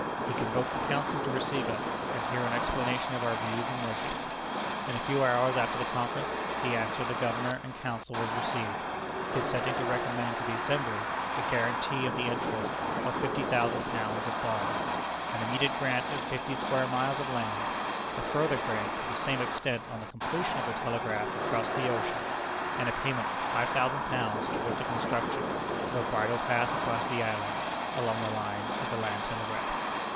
He convoked the Council to receive us, and hear an explanation of our views and wishes. In a few hours after the conference, the answer of the Governor and Council was received, consenting to recommend to the Assembly a guarantee of the interest of £50,000 of bonds, an immediate grant of fifty square miles of land, a further grant to the same extent on the completion of the telegraph across the ocean, and a payment of £5,000 toward the construction of a bridle path across the island, along the line of the land telegraph."